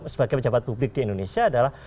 sebagai pejabat publik di indonesia adalah